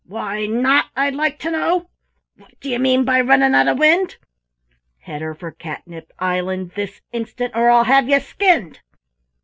Why not, I'd like to know? What d'ye mean by running out o' wind? Head her for Catnip Island this instant, or I'll have ye skinned!"